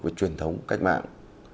với truyền thống cách mạng